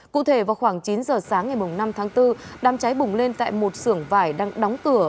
cụ thể vào khoảng chín giờ sáng ngày năm tháng bốn đám cháy bùng lên tại một sưởng vải đang đóng cửa